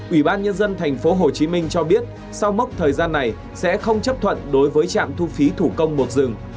ủy ban nhân dân thành phố hồ chí minh cho biết sau mốc thời gian này sẽ không chấp thuận đối với trạm thu phí thủ công một rừng